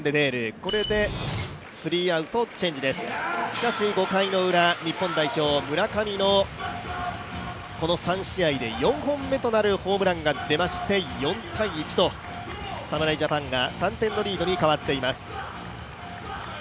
しかし５回のウラ、日本代表村上の３試合で４本目となるホームランが出まして４−１と侍ジャパンが３点のリードに変わっています。